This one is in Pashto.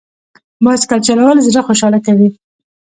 بایسکل چلول زړه خوشحاله کوي.